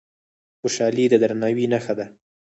خوشالي د درناوي نښه ده.